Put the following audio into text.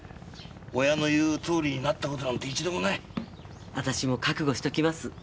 親の言うとおりになったことなんて一度もない私も覚悟しときます